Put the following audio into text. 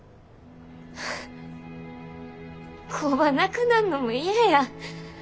工場なくなんのも嫌や。